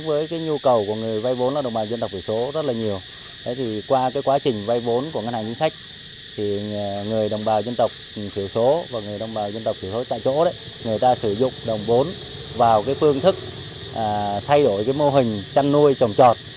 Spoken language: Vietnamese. với nhu cầu của người vay vốn là đồng bào dân tộc phủ số rất là nhiều qua quá trình vay vốn của ngân hàng chính sách người đồng bào dân tộc phủ số và người đồng bào dân tộc phủ số tại chỗ người ta sử dụng đồng vốn vào phương thức thay đổi mô hình trăn nuôi trồng trọt